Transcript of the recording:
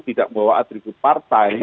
tidak membawa atribut partai